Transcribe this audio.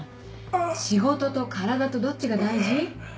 仕事と体とどっちが大事？